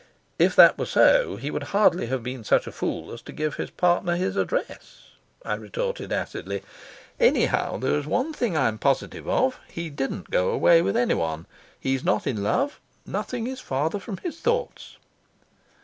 "If that were so, he would hardly have been such a fool as to give his partner his address," I retorted acidly. "Anyhow, there's one thing I'm positive of, he didn't go away with anyone. He's not in love. Nothing is farther from his thoughts."